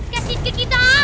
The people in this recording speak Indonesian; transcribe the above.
kasih ke kita